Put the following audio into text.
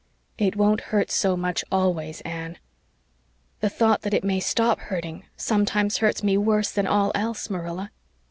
"It won't hurt so much always, Anne." "The thought that it may stop hurting sometimes hurts me worse than all else, Marilla."